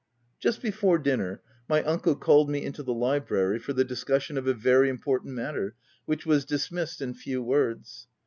Just before dinner my uncle called me into the library for the discussion of a very impor tant matter, which was dismissed in few words.